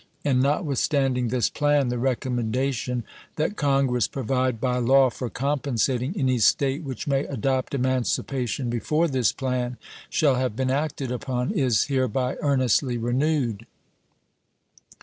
And, notwithstanding this plan, the recommendation that Congress provide by law for compensating any State which may adopt eman cipation before this plan shall have been acted upon is hereby earnestly renewed.